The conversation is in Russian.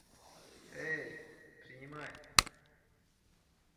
Эй, принимай!